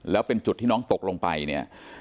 แล้วเป็นจุดที่น้องตกลงไปเนี่ย